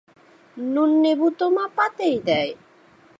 নুন নেবু তো মা পাতেই দেয়।